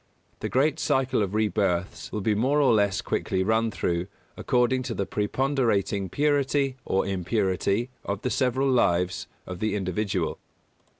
The great circle of rebirths will be more or less quickly run through according to the preponderating purity or impurity of the several lives of the individual.